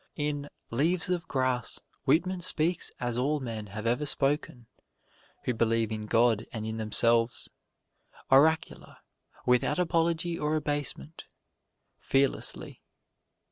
In "Leaves of Grass" Whitman speaks as all men have ever spoken who believe in God and in themselves oracular, without apology or abasement fearlessly.